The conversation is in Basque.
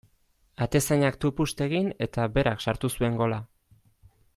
Atezainak tupust egin eta berak sartu zuen gola.